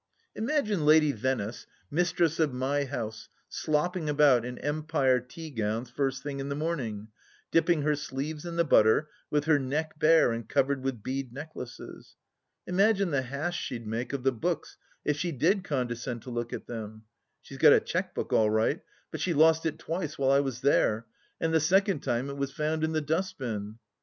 " Imagine Lady Vennus mistress of my house, slopping about in Empire teag6wns first thing in the morning, dipping her sleeves in the butter, with her neck bare and covered with bead necklaces 1 Imagine the hash she'd make of the " books " if she did condescend to look at them 1 She's got a cheque book all right, but she lost it twice while I was there, and the second time it was found in the dust bin."